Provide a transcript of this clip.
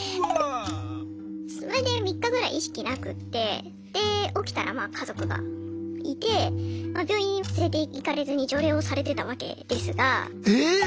それで３日ぐらい意識なくってで起きたらまあ家族がいて病院に連れていかれずに除霊をされてたわけですが。